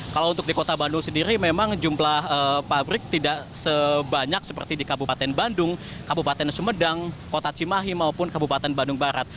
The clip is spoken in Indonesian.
kalau untuk di kota bandung sendiri memang jumlah pabrik tidak sebanyak seperti di kabupaten bandung kabupaten sumedang kota cimahi maupun kabupaten bandung barat